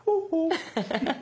アハハハ。